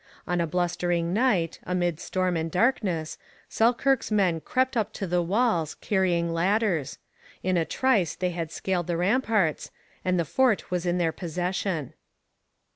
On a blustering night, amid storm and darkness, Selkirk's men crept up to the walls, carrying ladders. In a trice they had scaled the ramparts, and the fort was in their possession.